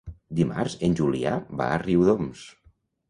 Dimarts en Julià va a Riudoms.